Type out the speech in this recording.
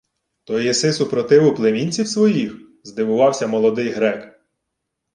— То єси супротиву племінців своїх? — здивувався молодий грек.